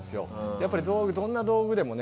やっぱりどんな道具でもね